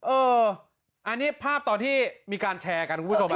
เอออันนี้ภาพตอนที่มีการแชร์กันคุณผู้ชม